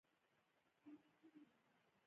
څوک چې علمي کار کوي هغه د ستاینې وړ دی.